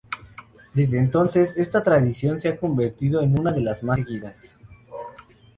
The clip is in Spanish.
Desde entonces, esta tradición se ha convertido en una de las más seguidas.